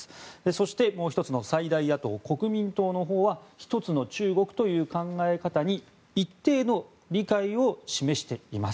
そして、もう１つの最大野党・国民党のほうは一つの中国という考え方に一定の理解を示しています。